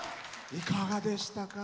いかがでしたか？